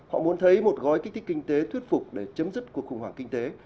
họ muốn thấy một gói kích thích kinh tế thuyết phục để chấm dứt cuộc khủng hoảng kinh tế